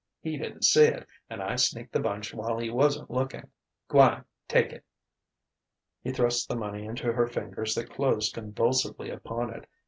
He didn't see it, and I sneaked the bunch while he wasn't lookin'. G'wan take it." He thrust the money into her fingers that closed convulsively upon it.